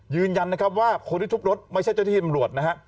ยืนยันนะครับว่าคนที่ทุบรถไม่ใช่เจ้าที่ตำรวจนะฮะ